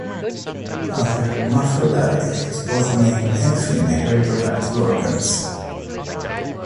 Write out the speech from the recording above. As a hermaphrodite, it has both male and female reproductive organs.